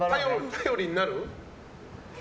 頼りになる？